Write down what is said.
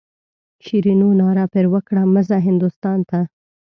شیرینو ناره پر وکړه مه ځه هندوستان ته.